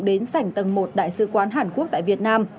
đến sảnh tầng một đại sứ quán hàn quốc tại việt nam